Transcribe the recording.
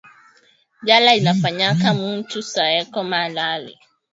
Njala inafanyaka muntu sa eko malali